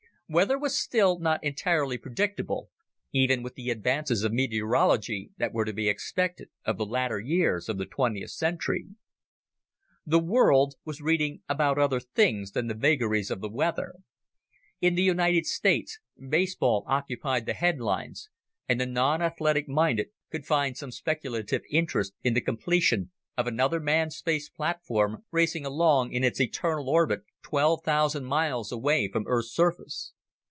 Weather was still not entirely predictable, even with the advances of meteorology that were to be expected of the latter years of the twentieth century. The world was reading about other things than the vagaries of the weather. In the United States, baseball occupied the headlines, and the nonathletic minded could find some speculative interest in the completion of another manned space platform racing along in its eternal orbit twelve thousand miles away from Earth's surface.